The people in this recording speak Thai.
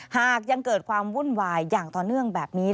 หากยังเกิดความวุ่นวายอย่างต่อเนื่องแบบนี้